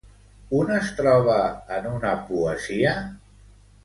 Un es troba en una poesia?